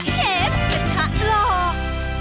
เชฟเฉียบชะหรอก